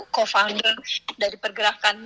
co founder dari pergerakan